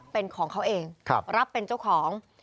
เป็นของเขาเองรับเป็นเจ้าของ